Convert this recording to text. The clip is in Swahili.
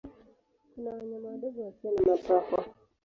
Kuna wanyama wadogo wasio na mapafu.